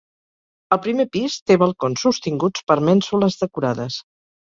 El primer pis té balcons sostinguts per mènsules decorades.